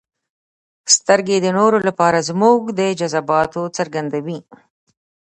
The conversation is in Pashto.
• سترګې د نورو لپاره زموږ د جذباتو څرګندوي.